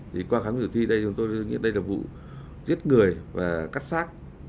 thì qua khám thử thi đây chúng tôi nghĩ đây là vụ giết người và cắt sát